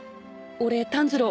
俺炭治郎。